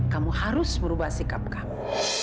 kamu harus merubah sikap kamu